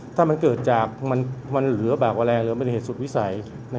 ถ้ามันเกิดจากมันเหลือบากแรงหรือเป็นเหตุสุดวิสัย